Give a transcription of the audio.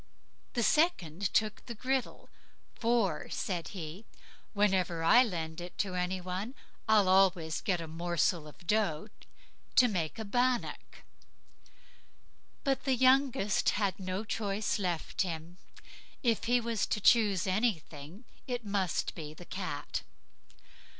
The second took the griddle; "for", said he, "whenever I lend it to any one, I'll always get a morsel of dough to make a bannock." But the youngest, he had no choice left him; if he was to choose anything it must be the cat.